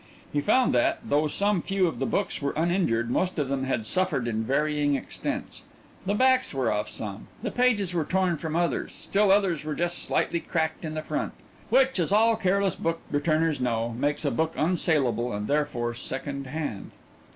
He found that, though some few of the books were uninjured, most of them had suffered in varying extents. The backs were off some, the pages were torn from others, still others were just slightly cracked in the front, which, as all careless book returners know, makes a book unsalable, and therefore second hand.